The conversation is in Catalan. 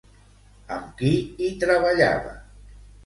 Amb qui hi treballava?